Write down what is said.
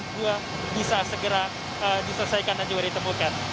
bisa segera diselesaikan dan juga ditemukan